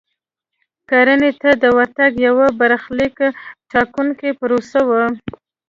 کرنې ته د ورتګ یوه برخلیک ټاکونکې پروسه وه.